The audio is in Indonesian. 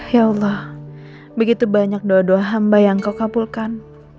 yaudah begitu banyak doa doa hamba yang kau kabulkan